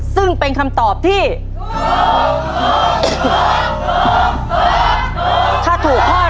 ซึ่งเป็นคำตอบที่ถูกถูกถูกถูก